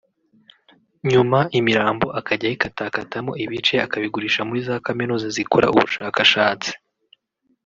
nyuma imirambo akajya ayikatakatamo ibice akabigurisha muri za Kaminuza zikora ubushakashatsi